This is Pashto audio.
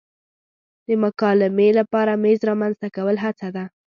د مکالمې لپاره میز رامنځته کول هڅه ده.